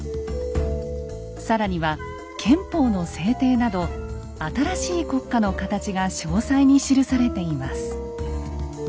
更には憲法の制定など新しい国家の形が詳細に記されています。